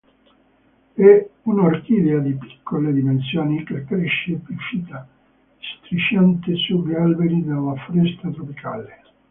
È un'orchidea di piccole dimensioni che cresce epifita, strisciante sugli alberi della foresta tropicale.